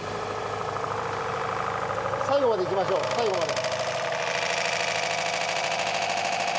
最後まで行きましょう最後まで。